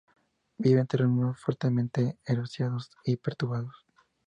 Vive en terrenos fuertemente erosionados y perturbados.